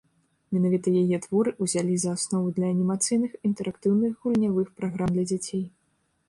Менавіта яе творы ўзялі за аснову для анімацыйных інтэрактыўных гульнявых праграм для дзяцей.